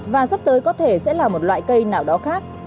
và sắp tới có thể sẽ là một loại cây nào đó khác